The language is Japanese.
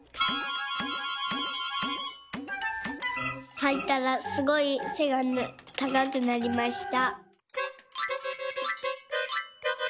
「はいたらすごいせがたかくなりました」。